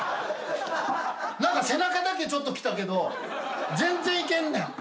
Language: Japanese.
何か背中だけちょっときたけど全然いけんねん。